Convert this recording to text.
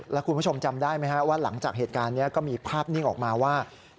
แล้วคุณผู้ชมจำได้ไหมครับว่าหลังจากเหตุการณ์นี้ก็มีภาพนิ่งออกมาว่า